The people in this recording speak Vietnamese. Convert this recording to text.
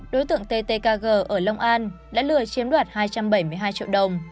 đối tượng ttg ở long an đã lừa chiếm đoạt hai trăm bảy mươi hai triệu đồng